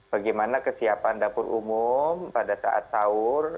bagaimana kesiapan dapur umum pada saat sahur